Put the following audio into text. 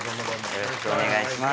よろしくお願いします。